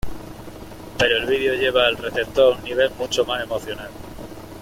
Pero el vídeo lleva al receptor a un nivel mucho más emocional".